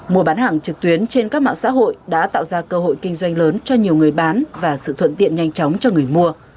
mùa bán hàng trực tuyến trên các mạng xã hội đã tạo ra cơ hội kinh doanh lớn cho nhiều người bán và sự thuận tiện nhanh chóng cho người mua